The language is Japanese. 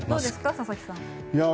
佐々木さん。